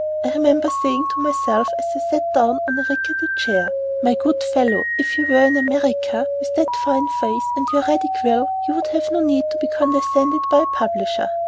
I remember saying to myself, as I sat down on a rickety chair: "My good fellow, if you were in America with that fine face and your ready quill, you would have no need to be condescended to by a publisher."